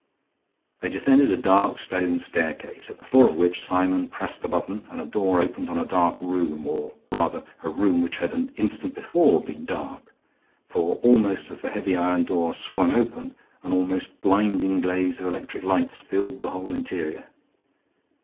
They descended a dark stone staircase, at the floor of which Symon pressed a button and a door opened on a dark room, or, rather, a room which had an instant before been dark. For almost as the heavy iron door swung open an almost blinding blaze of electric lights filled the whole interior.